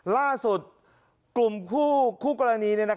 ล่าสุดกลุ่มคู่กรณี